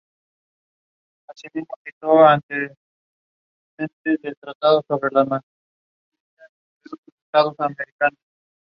Spring Lake Park High School funciona con una sistema que incluye seis periodos.